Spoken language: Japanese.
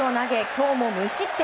今日も無失点。